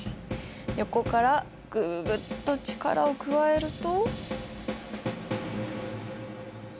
横からグググッと力を加えると。